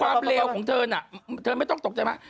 เลวของเธอน่ะเธอไม่ต้องตกใจมาก